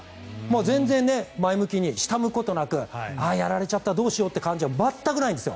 全然前向きに下を向くこともなくああ、やられちゃったどうしようという感じは全くないんですよ。